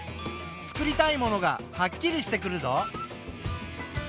作りたいものがはっきりしてくるぞ。